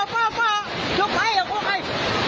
น้ำป่าที่มามาเร็วมาแรงมากเลยนะคะนี่บ้านพังทั้งหลังใช่ค่ะ